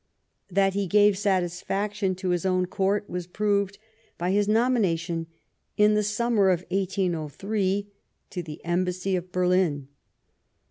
That he gave satisfaction to his own Court was proved by his nomination, in the summer of 1803, to the embassy of Berlin.